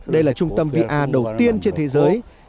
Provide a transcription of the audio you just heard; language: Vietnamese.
đây là trung tâm vr đầu tiên trên thế giới